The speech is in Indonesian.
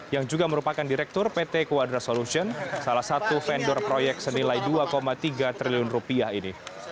yang juga merupakan direktur pt quadra solution salah satu vendor proyek senilai dua tiga triliun rupiah ini